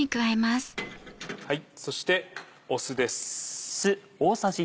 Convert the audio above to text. そして酢です。